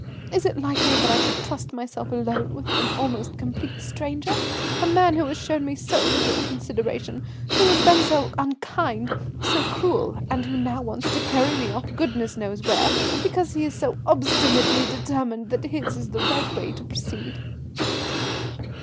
Is it likely that I should trust myself alone with an almost complete stranger a man who has shown me so little consideration, who has been so unkind, so cruel, and who now wants to carry me off goodness knows where, because he is so obstinately determined that his is the right way to proceed."